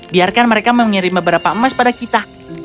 biarkan mereka mengirim beberapa emas pada kita